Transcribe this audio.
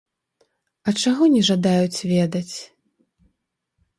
А чаго не жадаюць ведаць?